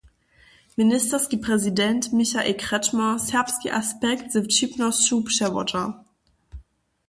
Ministerski prezident Michael Kretschmer serbski aspekt z wćipnosću přewodźa.